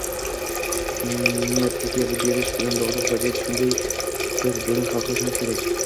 Neft etkazib berish bilan bog'liq vaziyat shunday, biz buni hal qilishimiz kerak